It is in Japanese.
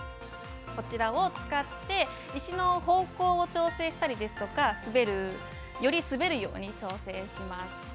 こちらを使って石の方向を調整したりですとかより滑るように調整します。